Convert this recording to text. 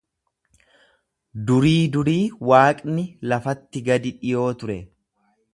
Durii durii Waaqni lafatti gadi dhiwoo ture.